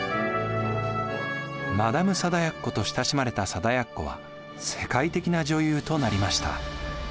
マダム貞奴と親しまれた貞奴は世界的な女優となりました。